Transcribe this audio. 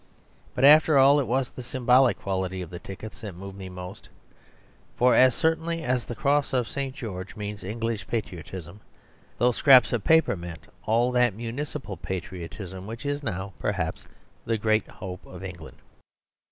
But after all it was the symbolic quality of the tickets that moved me most. For as certainly as the cross of St. George means English patriotism, those scraps of paper meant all that municipal patriotism which is now, perhaps, the greatest hope of England.